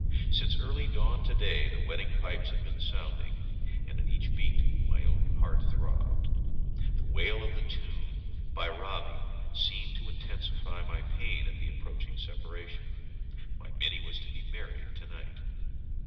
Since early dawn to day the wedding pipes had been sounding, and at each beat my own heart throbbed. The wail of the tune, Bhairavi, seemed to intensify my pain at the approaching separation. My Mini was to be married to night.